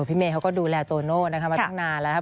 พี่เมย์เขาก็ดูแลโตโน่นะคะมาตั้งนานแล้วครับ